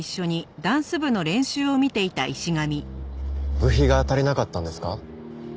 部費が足りなかったんですか？